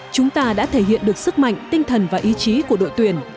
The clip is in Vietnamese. chúng ta đã thể hiện được sức mạnh tinh thần và ý chí của đội tuyển